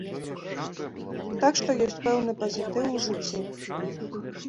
Так што ёсць пэўны пазітыў у жыцці.